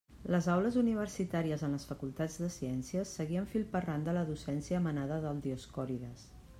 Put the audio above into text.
Les aules universitàries en les facultats de ciències seguien fil per randa la docència emanada del Dioscòrides.